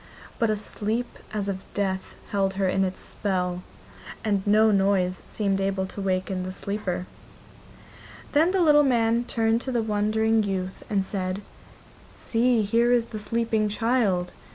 But a sleep as of death held her in its spell, and no noise seemed able to waken the sleeper. Then the little man turned to the wondering youth and said: 'See, here is the sleeping child!